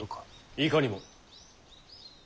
いかにも。